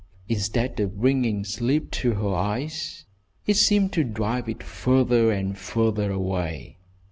Instead of bringing sleep to her eyes, it seemed to drive it farther and farther away.